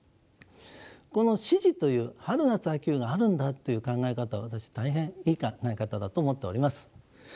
この四時という春夏秋冬があるんだという考え方は私大変いい考え方だと思っております。